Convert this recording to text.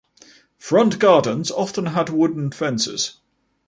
Front gardens often had wooden fences.